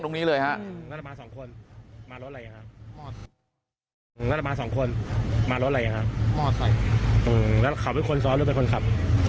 ตรงนี้เลยครับ